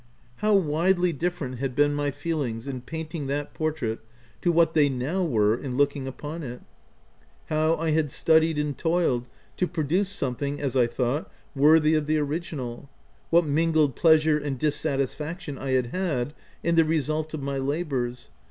How widely different had been my feelings in painting that portrait to what they now were in looking upon it ! How I had studied and toiled to produce something, as I thought, worthy of the original ! what mingled pleasure and dissatisfaction I had had in the result of my labours